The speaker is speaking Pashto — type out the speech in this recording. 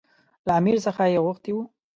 له امیر څخه یې غوښتي وو.